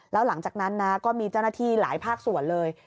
แล้วหลังจากนั้นนะก็มีเจ้าหน้าที่หลายภาคส่วนเลย